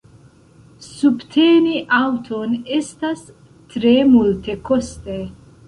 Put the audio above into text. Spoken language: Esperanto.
Subteni aŭton estas tre multekoste.